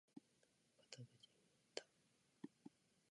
肩口を持った！